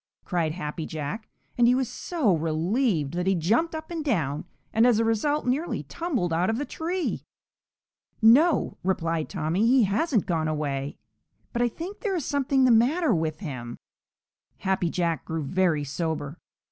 cried Happy Jack, and he was so relieved that he jumped up and down and as a result nearly tumbled out of the tree. "No," replied Tommy, "he hasn't gone away, but I think there is something the matter with him." Happy Jack grew very sober.